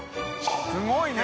すごいね。